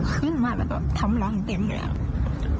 ขึ้นมาแล้วก็ทำรังเต็มเลยครับ